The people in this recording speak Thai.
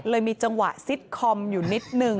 มีจังหวะซิตคอมอยู่นิดนึง